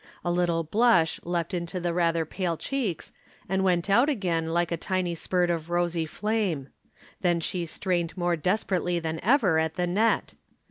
A little blush leapt into the rather pale cheeks and went out again like a tiny spurt of rosy flame. Then she strained more desperately than ever at the net.